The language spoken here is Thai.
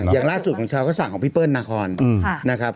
อย่างล่าสุดของชาวเขาสั่งของพี่เปิ้ลนาคอนนะครับ